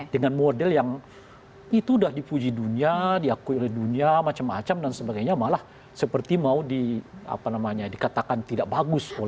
dengan model yang itu udah dipuji dunia diakui oleh dunia macam macam dan sebagainya malah seperti mau di apa namanya dikatakan tidak bagus oleh